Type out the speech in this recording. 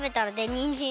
にん！じん！